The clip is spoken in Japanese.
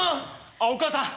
あっお母さん。